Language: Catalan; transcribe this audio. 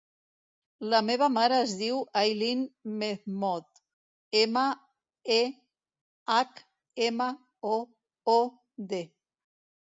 La meva mare es diu Aylen Mehmood: ema, e, hac, ema, o, o, de.